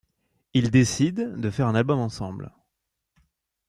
Ils décident de faire un album ensemble.